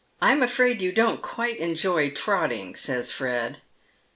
I'm afraid you don't quite enjoy trotting," says Fred.